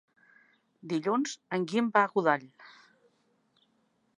Dilluns en Guim va a Godall.